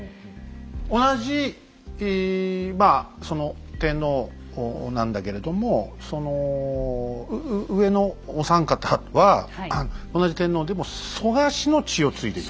同じ天皇なんだけれどもその上のお三方は同じ天皇でも蘇我氏の血を継いでいる。